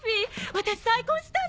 私再婚したの。